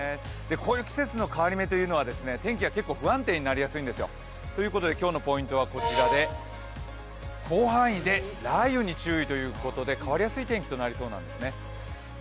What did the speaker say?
こういう季節の変わり目というのは天気が不安定になりやすいんですよ。ということで今日のポイントはこちらで広範囲で雷雨に注意ということで変わりやすい天気となりそうなんですね。